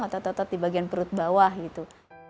otot otot di bagian perut bawah gitu